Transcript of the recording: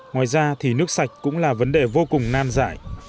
ngoài ra thì nước sạch cũng là vấn đề vô cùng nan giải